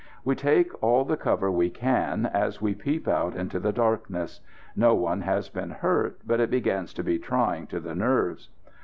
We take all the cover we can as we peep out into the darkness. No one has been hurt, but it begins to be trying to the nerves.